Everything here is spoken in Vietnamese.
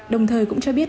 đồng thời cũng cho biết